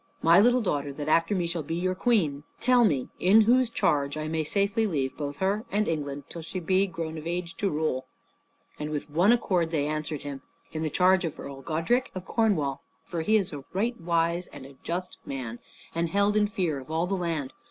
My little daughter that after me shall be your queen; tell me in whose charge I may safely leave both her and England till she be grown of age to rule?" And with one accord they answered him, "In the charge of Earl Godrich of Cornwall, for he is a right wise and a just man, and held in fear of all the land.